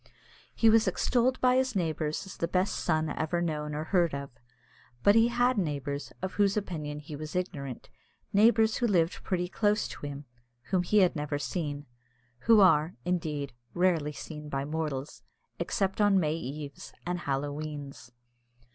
He was extolled by his neighbours as the best son ever known or heard of. But he had neighbours, of whose opinion he was ignorant neighbours who lived pretty close to him, whom he had never seen, who are, indeed, rarely seen by mortals, except on May eves and Halloweens.